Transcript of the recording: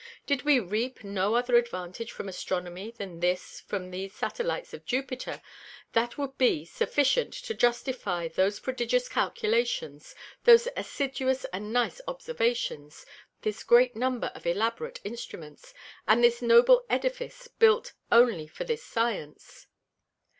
Did we reap no other advantage from Astronomy than this from these Satellites of Jupiter, that wou'd be sufficient to justifie those prodigious Calculations, those assiduous and nice Observations, this great number of elaborate Instruments, and this Noble Edifice built only for this Science.